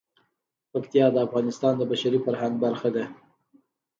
پکتیا د افغانستان د بشري فرهنګ برخه ده.